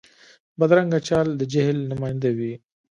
بدرنګه چال د جهل نماینده وي